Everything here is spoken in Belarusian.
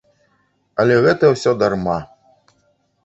Але гэта ўсё дарма!